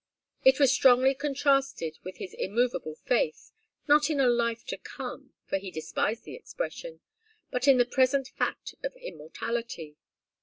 It was strongly contrasted with his immovable faith not in a life to come, for he despised the expression but in the present fact of immortality.